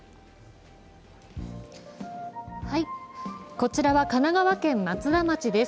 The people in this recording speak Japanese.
こちらは神奈川県松田町です。